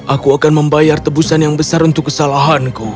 aku akan membayar tebusan yang besar untuk kesalahanku